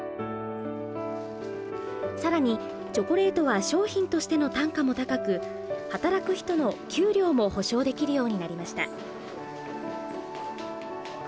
さらにチョコレートは商品としての単価も高く働く人の給料も保証できるようになりました。